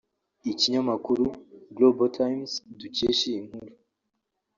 Ikinyamakuru Global times dukesha iyi nkuru